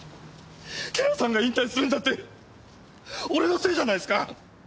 寺さんが引退するのだって俺のせいじゃないすか！